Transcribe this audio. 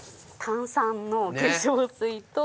炭酸の化粧水と。